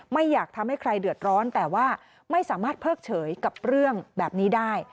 ไม่อยากทำให้ใครเดือดร้อนแต่ว่าไม่สามารถเพิกเฉยกับเรื่องแบบนี้ได้